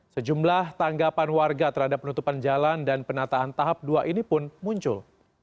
sejumlah tanggapan warga terhadap penutupan jalan dan penataan tahap dua ini pun muncul